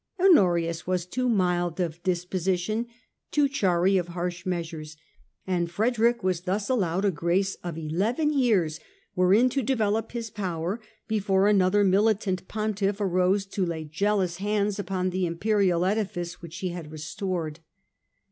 Honorius was too mild of disposition, too chary of harsh measures, and Frederick was thus allowed a grace of eleven years wherein to develop his power be fore another militant Pontiff arose to lay jealous hands upon the Imperial edifice which he had restored.